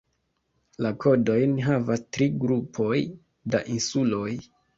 La kodojn havas tri grupoj da insuloj.